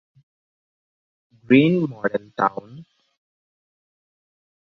Green model town.